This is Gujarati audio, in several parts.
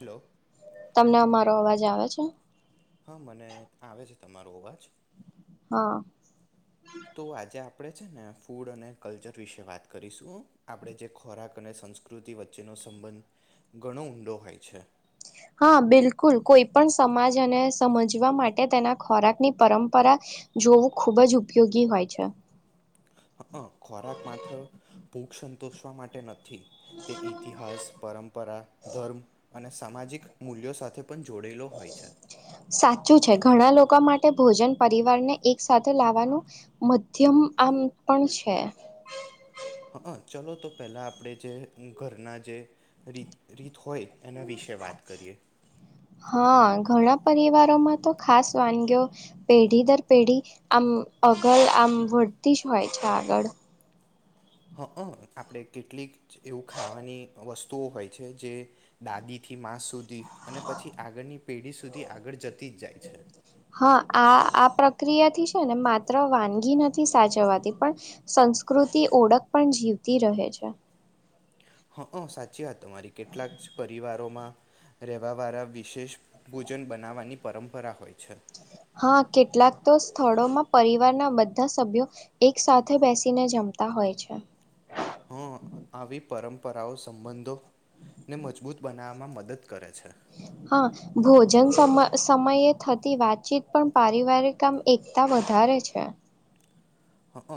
હેલો તમને અમારો અવાજ જ આવે છો હા મને આવે છે તમારો અવાજ હા તો આજે આપ આપણે છે ને ફૂડ અને કલ્ચર વિશે વાત કરીશું આપણે જે ખોરાક અને સંસ્કૃતિ વચ્ચેનો સંબંધ ઘણો ઊંડો હોય છે હા બિલકુલ કોઈ પણ સમાજ અને સમજવા માટે તેના ખોરાકની પરંપરા જોવું ખૂબ જ ઉપયોગી હોય છે હ ખોરાક માત્ર ભૂખ સંતોષવા માટે નથી તે ઇતિહાસ પરંપરા ધર્મ અને સામાજિક મૂલ્યો સાથે પણ જો સાચું છે ઘણા લોકો માટે ભોજન પરિવાર ને એક સાથે લાવવાનું મધ્યમ આમ પણ છે હા ચલો તો પહેલા આપણે જે ઘરના જે ર ર હોય એના વિ વા કરી હા ઘણા પરિવારોમાં તો ખાસ વાનગી પેઢી દર પેઢી આમ અગલ આમ વળતી જ હોય છે આગળ હ હ આપણે કેટલીક એવું ખાવાની વસ્તુઓ હોય છે જે દાદીથી માં સુધી ી અને પછી આગળની પેઢી સુધી આગળ જતી જ જાય છે હા આ આ પ્રક્રિયાથી છે ને માત્ર વાનગી નથી સાચવવાતી પણ સંસ્કૃતિ ઓળખ પણ જીવતી રહે છે હ સાચી વાત મારી કેટલાક પરિવારોમાં રહેવા વાળા વિશેષ ભોજન બનાવવાની પરંપરા હોય છે હા કેટલાક તો સ્થળોમાં પરિવારના બધા સભ્યો એક સાથે બેસીને જમતા હોય છે હ આવી પરંપરાઓ સંબંધોને મજબૂત બનાવવામાં મદદ કરે છે હા ભોજન સમયે થતી વાતચીત પણ પારિવારિકામ એકતા વધારે છે હ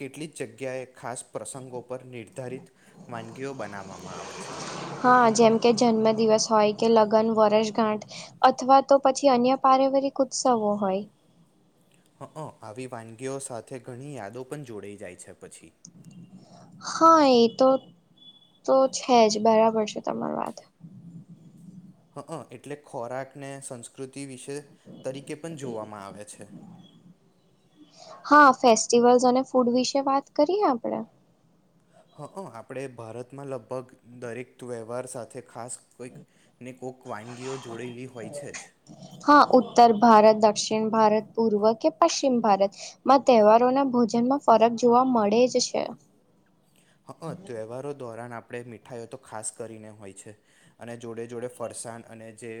કેટલીક જગ્યાએ ખાસ પ્રસંગો પર નિર્ધારિત વાનગીઓ બનાવવામાં આવે છે હા જેમ કે જન્મ દિવસ હોય કે લગ્ન વર્ષગાંઠ અથવા તો પછી અન્ય પારિવારિક ઉત્સવો હોય હ આવી વાનગીઓ સાથે ઘણી યાદો પણ જોડાઈ જાય છે પછી હા એ તો તો છે જ બરાબર છે તમાર વાત હ એટલે ખોરાકને સંસ્કૃતિ વિશે તરીકે પણ જોવામાં આવે છે હા ફેસ્ટિવલ્સ અને ફૂડ વિશે વાત કરીએ આપડે હા હ આપણે ભારતમાં લગભગ દરેક વ્યવહાર સાથે ખાસ કોઈક ને કોક વાનગીઓ જોડેલી હોય છે જ હા ઉત્તર ભારત દક્ષિણ ભારત પૂર્વ કે પશ્ચિમ ભારતમાં તહેવારોના ભોજનમાં ફરક જોવા મળે જ છે હા તહેવારો દોરાન આપ આપણે મીઠાઈઓ તો ખાસ કરીને હોય છે અને જોડે જોડે ફરસાણ અને જે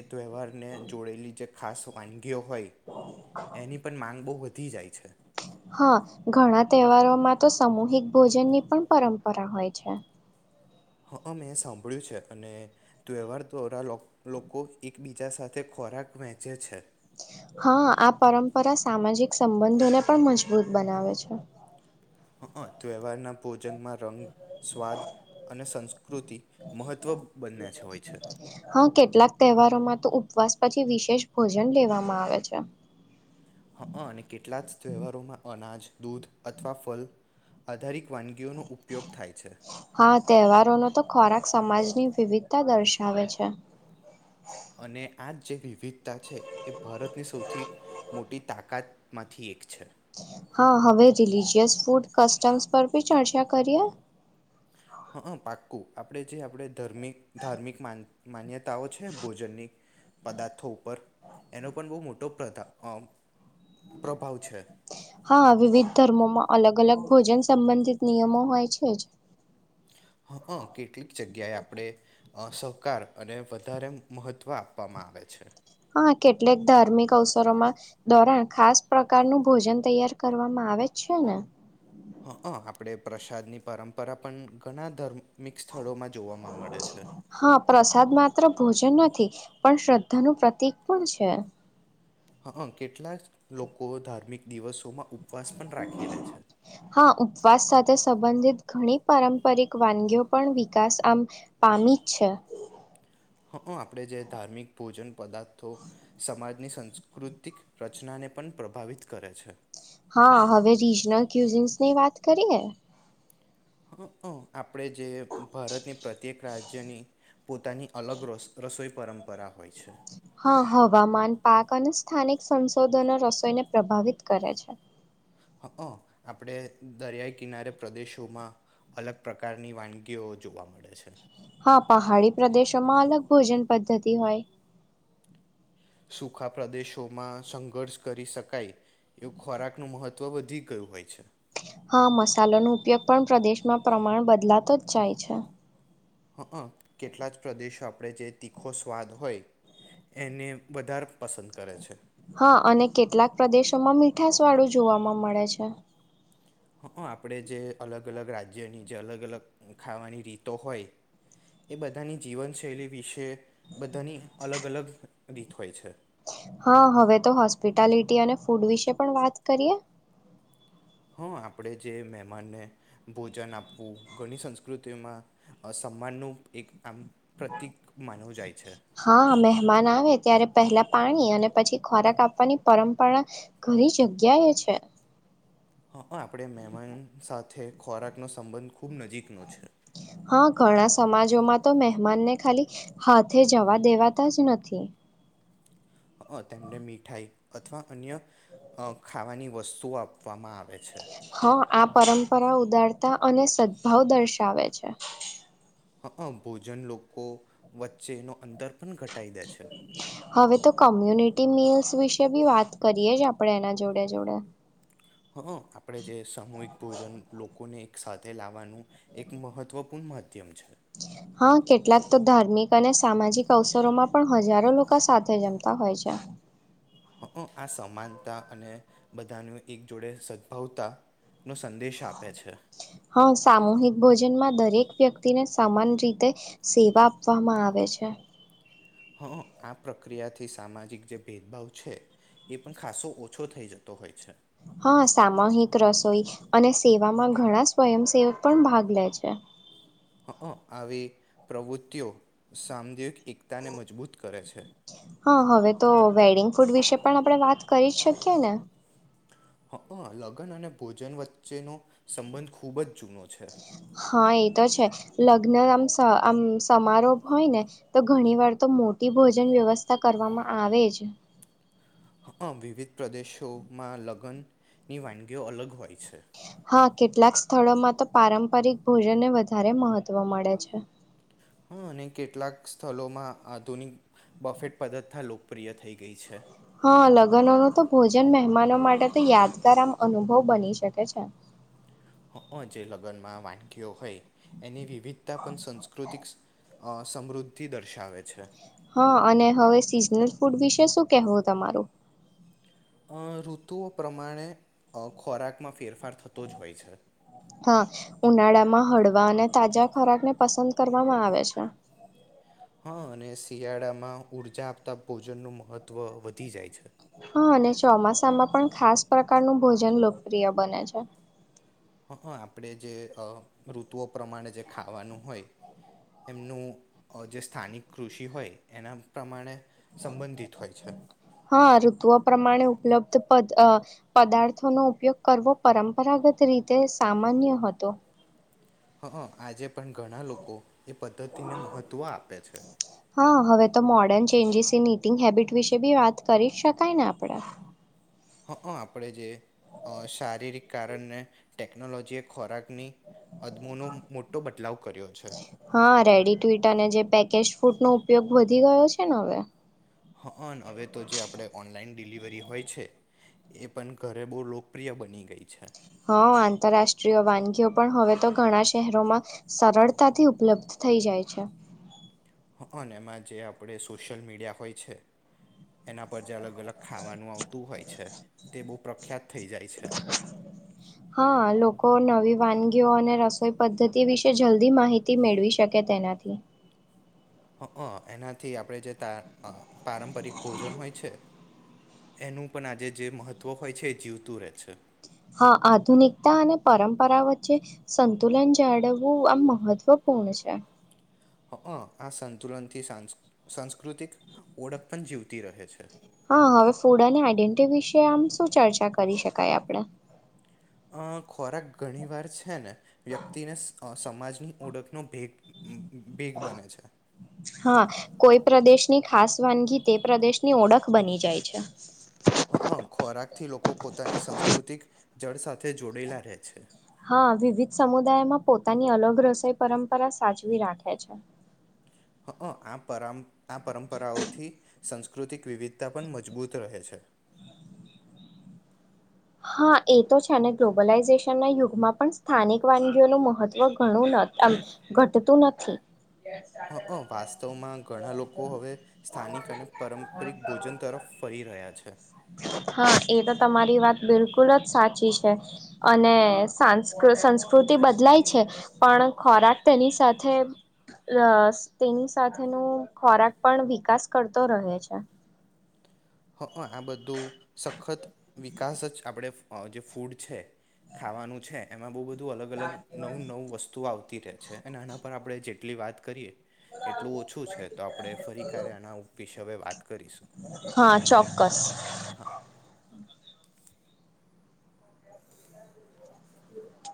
એ તહેવારને જોડેલી જે ખાસ વાનગી ગયો હોય એની પણ માંગ બહુ વધી દી જાય છે હા ઘણા તહેવારોમાં તો સામૂહિક ભોજનની પણ પરંપરા હોય છે હા મેં સાંભળ્યું છે અને તહેવાર દ્વારા લોકો એકબીજા સાથે ખોરાક વહેંચે છે હા આ પરંપરા સામાજિક સંબંધોને પણ મજબૂત બનાવે છે હ તવાર ના પો જંગમાં રંગ સ્વાદ અને સંસ્કૃતિ મહત્વ બન્યા હોય છે હા કેટલાક તહેવારોમાં તો ઉપવાસ પછી વિશેષ ભોજન લેવામાં આવે છે હ અને કેટલા જ તહેવારોમાં અનાજ દૂધ અથવા ફલ આધારિત વાનગી ીનો ઉપયોગ થાય છે તહેવારો. નો તો ખોરાક સમાજની વિવિધતા દર્શાવે છે અને આ જ જે વિવિધતા છે એ ભારતની સૌથી મોટી તાકાતમાંથી એક છે. હા હવે રિલીજીિયસ ફૂડ કસ્ટમ્સ પર બી ચર્ચા કરીએ. હા પાક્કું આપણે જે આપણે ધાર્મિક ધાર્મિક માન્યતા છે ભોજનની પદાર્થો ઉપર એનો પણ બહુ મોટો પ્રાન હા વિવિધ ધર્મોમાં અલગ અલગ ભોજન સંબંધિત નિયમો હોય છે જ. અ કેટલીક જગ્યાએ આપણે સહકાર અને વધારે મહત્ત્વ આપવામાં આવે છે. હા કેટલેક ધાર્મિક અવસરોમાં ધોરણ ખાસ પ્રકાર ન ભોજન તૈયાર કરવામાં આવે છે ને. હ હ આપણે પ્રસાદની પરંપરા પણ ઘણા ધર્મ હા પ્રસાદ માત્ર ભોજન નથી પણ શ્રદ્ધાનુંું પ્રતિક પણ છે. હા કેટલા લોકો ધાર્મિક દિવસોમાં ઉપવાસ પણ રાખી રહે છે હા ઉપવાસ સાથે સંબંધિત ઘણી પારંપરિક વાનગી પણ વિકાસ આમ પામી જ છે. હા આપડે જે ધાર્મિક ભોજન પદાર્થો સમાજ ની સાંસ્કૃતિક રચનાને પણ પ્રભાવિત કરે છે. હા હવે રીજનલ ક્યુઝિન્સ ની વાત કરીએ. હ આપણે જે ભારતની પ્રત્યેક રાજ્યની પોતાની અલગ રસ રસોઈ પરંપરા હોય છે. હા હવામાન પાક અને સ્થાનિક સંશોધનો રસોઈને પ્રભાવિત કરે છે. હ આપણેે દરિયા કિનારે પ્રદેશોમાં અલગ પ્રકારની વાનગીઓ જોવા મળે છે. હા પહાડી પ્રદેશોમાં અલગ ભોજન પદ્ધતિ હોય. સુખા પ્રદેશોમાં સંઘર્ષ કરી શકાય એવું ખોરાકનું મહત્ત્વ વધી ગયું હોય છે. હા મસાલોનો ઉપયોગ પણ પ્રદેશમાં પ્રમાણ બદલાતો જ જાય છે. હ કેટલા જ પ્રદેશો આપણે જે તીખો સ્વાદ હોય એને વધારે પસંદ કરે છે. હા અને કેટલાક પ્રદેશોમાં મીઠાાસવાળું જોવાવામાં મળે છે. હ આપણે જે અલગ અલગ રાજ્યની જે અલગ અલગ ખાવાની રીતો હોય એ બધાની જીવનશૈલી વિશે બધાની અલગ અલગ આ થય છે. હા હવે તો હોસ્પિટાલિટી અને ફૂડ વિશે પણ વાત કરીએ હા આપણે જે મહેમાનને ભોજન આપવું ઘણી સંસ્કૃતિઓમાં સન્માનનું એક આમ પ્રતીિક માનવું જાય છે. હા મહેમાન આવે ત્યારે પહેલા પાણી અને પછી ખોરાક આપવાની પરંપરા ઘણી જગ્યાએ છે. ખોરાક નો સંબંધ ખુબ નજીકનોો છે. હા ઘણા સમાજોમાં તો મહેમાનને ખાલી હાથે જવા દેવાતા જ નથી. હ તેમને મીઠાઈ અથવા અન્ય ખાવાની વસ્તુઓ આપ કમા આવેે છે. હા આ પરંપરા ઉદારતા અને સદભાવ દર્શાવે છે. હ ભોજન લોકો વચ્ચે એનો અંતર પણ ઘટાઈ દે છે હવે તો કમ્યુનિટી મીલ્સ વિશે બી વાત કરીએ જ આપડણે એના જોડે જોડે હ આપડે જે સામૂહિક ભોજન લોકોને એક એક સાથે લાવવાનું એક મહત્ત્વપૂર્ણ માધ્યમ છે હા કેટલાક તો ધાર્મિક અને સામાજિક અવસરોમાં પણ હજારો લોકો સાથે જમતા હોય છે હ આ સમાનતા અને બધાની એક જોડે સદભાવતાનોો સંદેશ આપે છે હા સામૂહિક ભોજનમાં દરેક વ્યક્તિને સમાન રીતે સેવા આપવામાં આવે છે હા આ પ્રક્રિયાથી સામાજિક જે ભેદભાવ છે એ પણ ખાસો ઓછો થઈ જતો હોય છે હા સામહિક રસોઈ અને સેવામાં ઘણા સ્વયંસેવક પણ ભાગ લે છે હ આવી પ્રવૃતિઓ સામદિક એકતાને મજબૂત કરે છે હા હવે તો વેડિંગ ફૂડ વિશે પણ આપણે વાત કરી જ શકીએ ને હ લગ્ન અને ભોજન વચ્ચેનો સંબંધ ખૂબ જ જૂનો છે હા એ તો છે લગ્ન આમ આમ સમારોહ હોય ને તો ઘણી વાર તો મોટી ભોજન વ્યવસ્થા કરવામાં આવે જ હા વિવિધ પ્રદેશોમાં લગ્નની વાનગીઓ અલગ હોય પ છે હા કેટલાક સ્થળોમાં તો પારંપરિક ભોજનને વધારે મહત્વ મળે છે હા અને કેટલાક સ્થળમાં આધુનિક બફેટ પદ્ધ્થ લોકપ્રિય થઈ ગઈ છે હ લગ્નો ન તો ભોજન મહેમાનો માટે તો યાદગાર આમ અનુભવ બની શકે છે જે લગ્નમાં વાનગીઓ હોય એની વિદ્તા પણન સંસ્કૃતિિક સમૃદ્ધિ દર્શાવે છે હા અને હવે સિઝનલ ફૂડ વિશે શું કેહેવું તમારું અ ઋતુઓ પ્રમાણે ખોરાકમાં ફેરફાર થતો જ હોય છે હા ઉનાળામાં હળવા અને તાજા ખોરાક ને પસંદ કરવામાં આવે છે હા અને શિયાળામાં ઉર્જા આપતા ભોજન નું મહત્વ વધી જાય છે હા અને ચોમાસામાં પણ ખાસ પ્રકારનું ભોજન લોકપ્રિય બને છે હં હં આપણે જે ઋતુઓ પ્રમાણે જે ખાવાનું હોય એમનું જે સ્થાનિક કૃષિ હોય એના પ્રમાણે સંબંધિત હોય છે હા ઋતુઓ પ્રમાણે ઉપલબ્ધ પદાર્થો નો ઉપયોગ કરવો પરંપરાગત રીતે સામાન્ય હતો હ આજે પણ ઘણા લોકો એ પદ્ધતિને મહત્ત્વ આપે છે હા હવે તો modern changes in eating habit વિશે બી વાત કરી શકાય ને આપણેે હ આપણે જે શારીરિક કારણને ટેકનોલોજીએ ખોરાકની અદમોનો મોટો બદલાવ કર્યો છે હા રેડી ટુટ અને જે પેકેજ ફૂડનો ઉપયોગ વધી ગયો છે ને હવે હા હવે તો જે આપણે ઓનલાઈન ડિલિવરી હોય છે એ પણ ઘરે બહુ લોકપ્રિય બની ગઈ છે હા આંતરરાષ્ટ્રીય વાનગીઓ પણ હવે તો ઘણા શહેરોમાં સરળતાથી ઉપલબ્ધ થઈ જાય છે હ અને એમાં જે આપણે સોશિયલ મીડિયા હોય છે એના પર અલગ અલગ ખાવાનું આવતું હોય છે તે બહ પ્રખ્યાત થઈ જાય છે હા લોકો નવી વાનગીઓ અને રસોઈ પદ્ધતિ વિશે જલ્દી માહિતી મેળવી શકે તેનાથી હ એનાથી આપણે જે ત પારંપરિક ભોજન હોય છે એનું પણ આજે જે મહત્ત્વ હોય છે એ જીવતું રહે છે હા આધુનિકતા અને પરંપરા વચ્ચે સંતુલન જાળવવું આમ મહત્વપૂર્ણ છે હ આ સંતુલનથી સા સાંસ્કૃતિક ઓળખ પણ જીવતી રહે છે હા હવે ફૂડ અને આઈડેન્ટિટી વિશે આમ શું ચર્ચા કરી શકાય આપણે અ ખોરાક ઘણી વાર છે ને વ્યક્તિને સમાજની ઓળખનો ભેગ બેગ બને છે હા કોઈ પ્રદેશની ખાસ વાનગી તે પ્રદેશની ઓળખ બની જાય છે હ હ ખોરાક થી લોકો પોતાની સાસ્કૃતિક જળ સાથે જોડેલા રહે છે હા વિવિધ સમુદાયમાં પોતાની અલગ રસોઈ પરંપરા સાચવી રાખે છે હ આ આ પરંપરાઓથી સાસ્કૃતિક વિવિધતા પણ મજબૂત રહે છે હા એ તો છે અને ગ્લોબલાઈઝેશન ના યુગમાં પણ સ્થાનિક વાનગીઓનું મહત્વ ઘણું ઘટતું નથી હા અ વાસ્તવમાં ઘણા લોકો હવે સ્થાનિક અને પારંપરિક ભોજન તરફ ફરી રહ્યા છે હા એ તો તમારી વાત બિલકુલ જ સાચી છે અને સા સંસ્કૃતિ બદલાય છે પણ ખોરાક તેની સાથે તેની સાથેનું ખોરાક પણ વિકાસ કરતો રહે છે હ આ બધું સખત વિકાસ જ આપણે જે ફૂડ છે ખાવાનું છે એમાં બહુ બધું અલગ અલગ નવું નવું વસ્તુ આવતી રહે છે અને એના પર આપણે જે એટલી વાત કરીએ એટલું ઓછું છે તો આપડે ફરી ક્યારે આના ઉપ કેવે વાત કરીશું હા ચોક્કસ હા